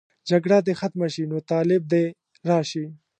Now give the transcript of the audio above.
جګړه دې ختمه شي، نو طالب دې راشي.